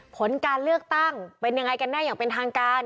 ผลการเลือกตั้งเป็นยังไงกันแน่อย่างเป็นทางการ